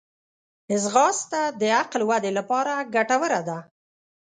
ځغاسته د عقل ودې لپاره ګټوره ده